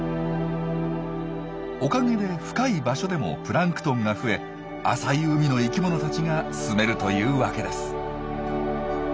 おかげで深い場所でもプランクトンが増え浅い海の生きものたちがすめるというわけです。